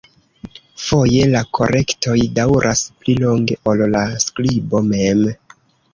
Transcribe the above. Foje la korektoj daŭras pli longe ol la skribo mem.